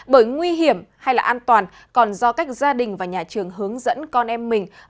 bởi nguy hiểm hay là an toàn còn do cách gia đình và nhà trường hướng dẫn con em mình